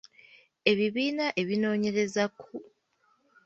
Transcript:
Ebibiina ebinoonyereza ku